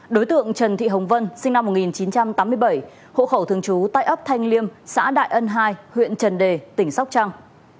đối tượng trần thị hồng vân sinh năm một nghìn chín trăm tám mươi bảy hộ khẩu thường trú tại ấp thanh liêm xã đại ân hai huyện trần đề tỉnh sóc trăng